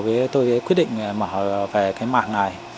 vì tôi quyết định mở về cái mảng này